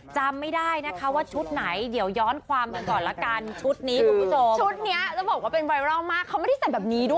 จำไม่ได้นะคะว่าชุดไหนเดี๋ยวย้อนความกันก่อนละกัน